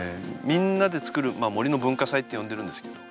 みんなで作る森の文化祭って呼んでるんですけど